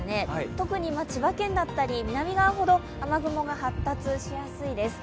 特に千葉県だったり、南側ほど雨雲が発達しやすいです。